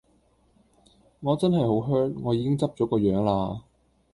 我真係好 hurt， 我已經執咗個樣啦!